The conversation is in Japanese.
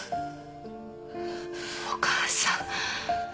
お母さん。